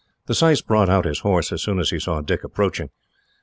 The syce brought out his horse, as soon as he saw Dick approaching.